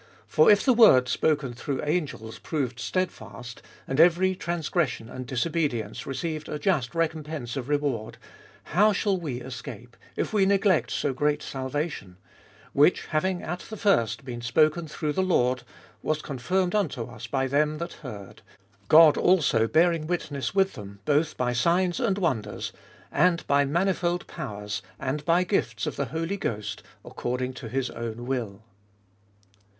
2. For if the word spoken through angels proved stedfast, and every transgression and disobedience received a just recompense of reward ; 3. How shall we escape, if we neglect so great salvation ? which having at the first been spoken through the Lord, was confirmed unto us by them that heard; 4. God also bearing witness with them, both by signs and wonders, and by manifold powers, and by gifts2 of the Holy Ghost, according to his own will.